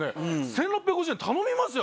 １６５０円頼みますよ